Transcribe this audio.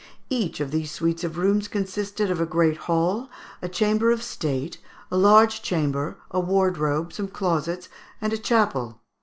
Each of these suites of rooms consisted of a great hall, a chamber of state, a large chamber, a wardrobe, some closets, and a chapel.